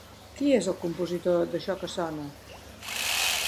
Qui és el compositor d'això que sona?